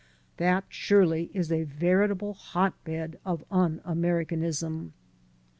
That, surely, is a veritable hotbed of un Americanism.